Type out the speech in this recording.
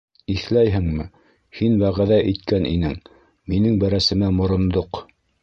Иҫләйһеңме, һин вәғәҙә иткән инең... минең бәрәсемә морондоҡ...